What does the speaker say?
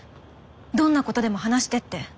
どんなことでも話してって。